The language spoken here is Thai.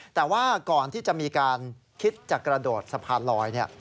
แต่ว่าก่อนที่จะมีการคิดจะกระโดดสะพานลอย